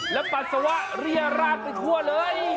แล้วปัสสาวะเรียรากไปทั่วเลย